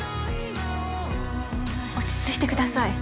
落ち着いてください。